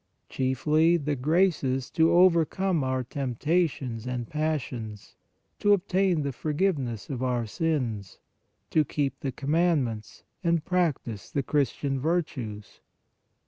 Chiefly the graces to overcome our temptations and passions, to obtain the forgiveness of our sins, to keep the commandments and prac tise the Christian virtues.